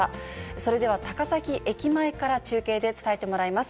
それでは高崎駅前から中継で伝えてもらいます。